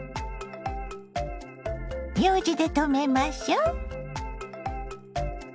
ようじでとめましょ。